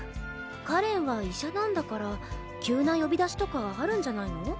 かれんは医者なんだから急な呼び出しとかあるんじゃないの？